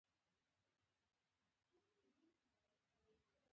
مړه ته د دعا تلپاتې لمونځونه غواړو